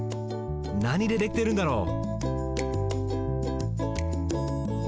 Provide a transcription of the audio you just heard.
なにでできてるんだろう？